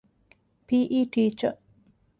ޕީ. އީ ޓީޗަރ